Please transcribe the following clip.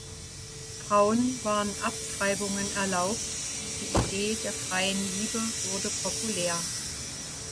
Frauen waren Abtreibungen erlaubt und die Idee der freien Liebe wurde populär.